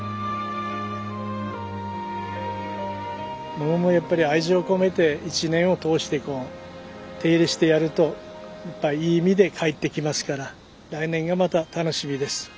モモもやっぱり愛情を込めて一年を通してこう手入れしてやるといい実で返ってきますから来年がまた楽しみです。